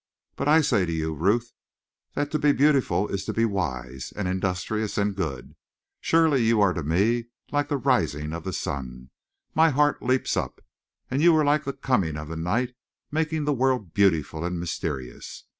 But I say to you, Ruth, that to be beautiful is to be wise, and industrious, and good. Surely you are to me like the rising of the sun my heart leaps up! And you are like the coming of the night making the world beautiful and mysterious.